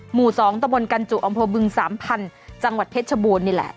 หมู่๒ตมกันจุอบึง๓พันธุ์จังหวัดเพชรบูรน์นี่แหละ